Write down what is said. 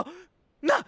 なっ？